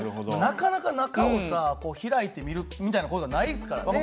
なかなか中をさこう開いて見るみたいな事はないですからね。